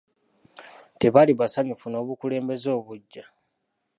Tebaali basanyufu n'obukulembeze obuggya.